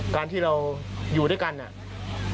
การที่เราอยู่ด้วยกันเนี่ย